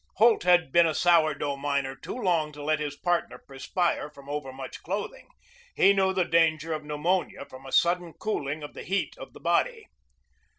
Holt had been a sour dough miner too long to let his partner perspire from overmuch clothing. He knew the danger of pneumonia from a sudden cooling of the heat of the body.